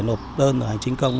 nộp đơn hành trình công